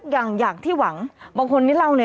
ฮ่าฮ่าฮ่าฮ่าฮ่าฮ่า